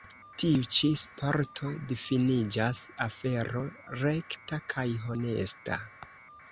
Tiu ĉi sporto difiniĝas afero rekta kaj honesta.